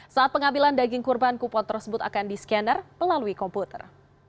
saat pengambilan daging kurban kupon tersebut akan di scanner melalui komputer